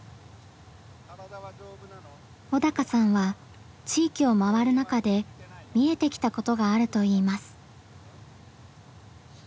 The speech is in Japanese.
小鷹さんは地域を回る中で見えてきたことがあると言います。